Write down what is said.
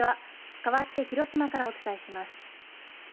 かわって広島からお伝えします。